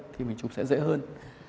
thì mình chụp sẽ dễ hơn